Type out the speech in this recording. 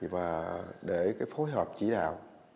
và để cái phối hợp chỉ đạo